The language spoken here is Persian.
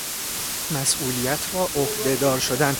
مسئولیت را عهده دار شدن